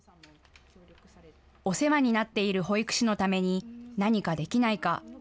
お世話になっている保育士のために何かできないか。